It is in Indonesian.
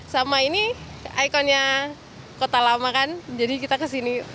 sama ini ikonnya kota lama kan jadi kita kesini